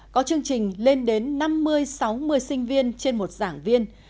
có chương trình lên đến năm mươi sáu mươi sinh viên trên một giảng viên